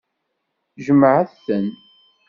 Jemɛet-ten.